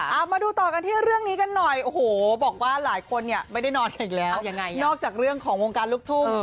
เอามาดูต่อกันที่เรื่องนี้กันหน่อยโอ้โหบอกว่าหลายคนเนี่ยไม่ได้นอนกันอีกแล้วยังไงนอกจากเรื่องของวงการลูกทุ่ง